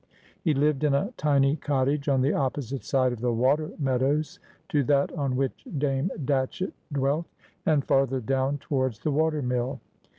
He lived in a tiny cottage on the opposite side of the water meadows to that on which Dame Datchett dwelt, and farther down towards the water mill.